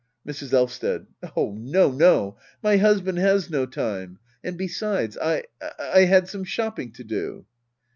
Mrs. Elysted. Oh no, no— my husband has no time. And besides^ I — I had some shopping to do.